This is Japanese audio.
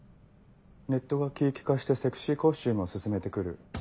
ネットが気を利かせてセクシーコスチュームを薦めて来る。